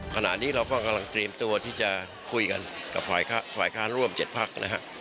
ขณะนี้เราก็กำลังเตรียมตัวที่จะคุยกันกับฝ่ายค้านร่วม๗พักนะฮะ